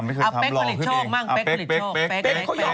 ไม่ไม่ไม่